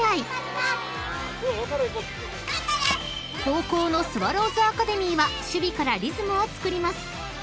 ［後攻のスワローズアカデミーは守備からリズムをつくります］